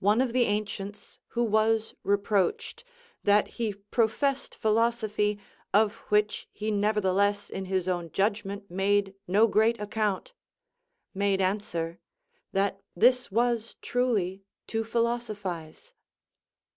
One of the ancients, who was reproached, "That he professed philosophy, of which he nevertheless in his own judgment made no great account," made answer, "That this was truly to philosophize."